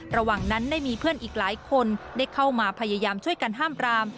ระหว่างนั้นได้มีเพื่อนอีกหลายคนได้เข้ามาพยายามช่วยกันห้ามปราม